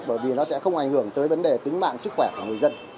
bởi vì nó sẽ không ảnh hưởng tới vấn đề tính mạng sức khỏe của người dân